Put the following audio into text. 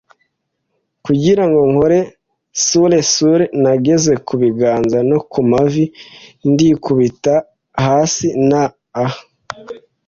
Kugirango nkore surer surer, nageze ku biganza no ku mavi ndikubita hasi, nta a